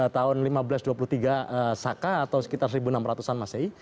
tahun seribu lima ratus dua puluh tiga saka atau sekitar seribu enam ratus an masehi